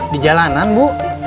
di jalanan bu